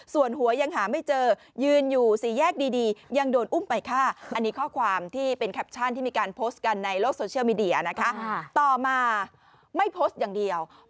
ส่วนหัวยังหาไม่เจอยืนอยู่ศรีแยกดี